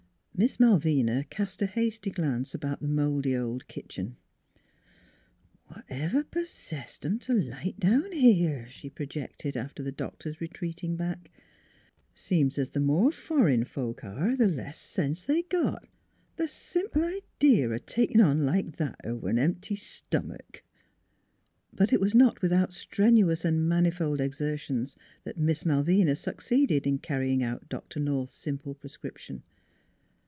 Miss Malvina cast a hasty glance about the mouldy old kitchen. "Whatever possest 'em t' light down here?" she projected after the doctor's retreating back. " Seems 's 'o th' more fur'n folks are the less sense they got. Th' simple idee o' takin' on like that over an empty stomick! " But it was not without strenuous and manifold exertions that Miss Malvina succeeded in carrying out Doctor North's simple prescription.